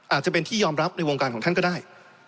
อาจจะเป็นที่ยอมรับในวงการของท่านก็ได้